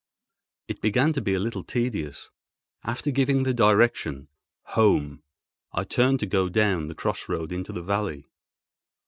It began to be a little tedious. After giving the direction, "Home!" I turned to go down the cross road into the valley.